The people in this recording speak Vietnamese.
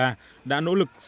đã nỗ lực xây dựng nông thôn mới